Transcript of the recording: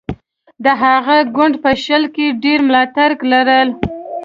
د هغه ګوند په شل کې ډېر ملاتړي لرل.